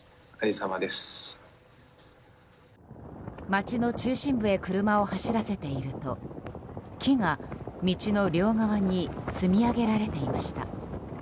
街の中心部へ車を走らせていると木が道の両側に積み上げられていました。